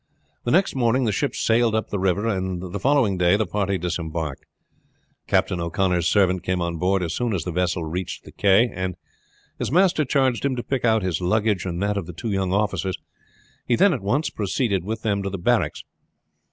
The next morning the ship sailed up the river, and the following day the party disembarked. Captain O'Connor's servant came on board as soon as the vessel reached the quay, and his master charged him to pick out his luggage and that of the two young officers; he then at once proceeded with them to the barracks.